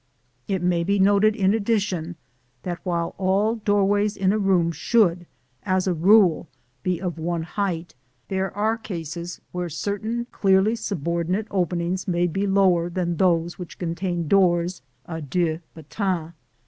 It may be noted in addition that while all doorways in a room should, as a rule, be of one height, there are cases where certain clearly subordinate openings may be lower than those which contain doors à deux battants.